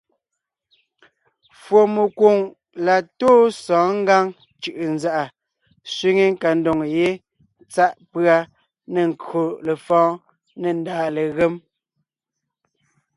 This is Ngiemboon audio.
Fùɔmekwoŋ la tóo sɔ̌ɔn Ngǎŋ cʉ̀ʼʉnzàʼa sẅiŋe nkadoŋ ye tsáʼ pʉ́a nê nkÿo lefɔ̌ɔn nê ndàa legém.